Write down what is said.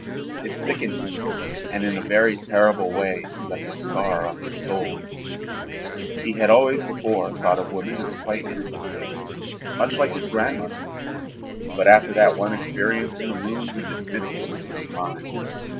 It sickened him and in a very terrible way left a scar on his soul. He had always before thought of women as quite innocent things, much like his grandmother, but after that one experience in the room he dismissed women from his mind.